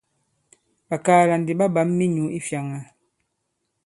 Ɓàkaala ndi ɓa ɓǎm minyǔ i fyāŋā.